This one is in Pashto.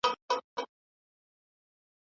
نړۍ ته رسوا کړی وي